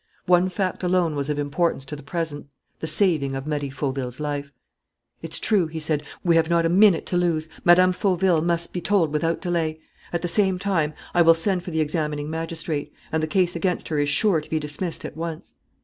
One fact alone was of importance to the present: the saving of Marie Fauville's life. "It's true," he said, "we have not a minute to lose. Mme. Fauville must be told without delay. At the same time, I will send for the examining magistrate; and the case against her is sure to be dismissed at once."